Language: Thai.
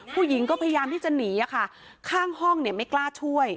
ผู้หญิงก็พยายามที่จะหนีอะค่ะข้างห้องเนี่ยไม่กล้าช่วย